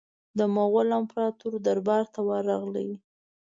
د مغول امپراطور دربار ته ورغی.